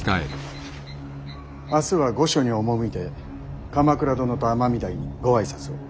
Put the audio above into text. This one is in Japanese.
明日は御所に赴いて鎌倉殿と尼御台にご挨拶を。